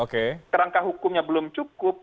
kerangka hukumnya belum cukup